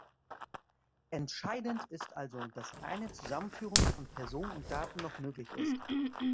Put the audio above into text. Entscheidend ist also, dass eine Zusammenführung von Person und Daten noch möglich ist.